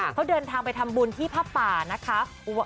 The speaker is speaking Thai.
เขาเดินทางไปทำบุญที่ผ้าป่านะคะ